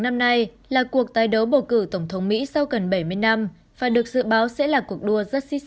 năm nay là cuộc tái đấu bầu cử tổng thống mỹ sau gần bảy mươi năm và được dự báo sẽ là cuộc đua rất xích